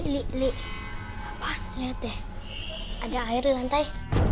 lihat deh ada air di lantai